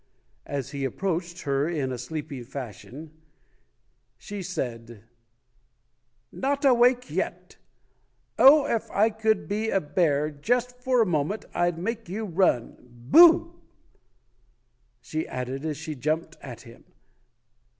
As he approached her in a sleepy fashion, she said, "Not awake yet! Oh, if I could be a bear just for a moment, I'd make you run Boo!" she added, as she jumped at him.